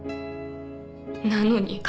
なのに。